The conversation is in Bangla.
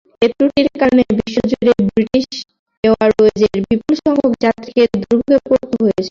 এ ত্রুটির কারণে বিশ্বজুড়েই ব্রিটিশ এয়ারওয়েজের বিপুলসংখ্যক যাত্রীকে দুর্ভোগে পড়তে হয়েছে।